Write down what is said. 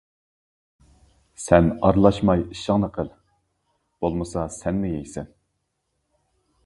سەن ئارىلاشماي ئىشىڭنى قىل، بولمىسا سەنمۇ يەيسەن!